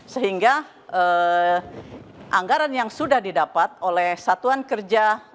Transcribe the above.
sehingga anggaran yang sudah didapat oleh satuan kerja